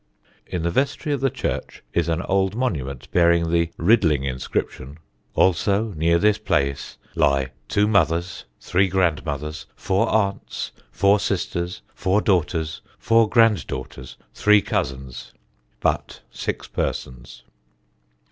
In the vestry of the church is an old monument bearing the riddling inscription: "... Also, near this place lie two mothers, three grandmothers, four aunts, four sisters, four daughters, four grand daughters, three cousins but VI persons."